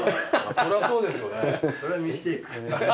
そりゃそうですよね。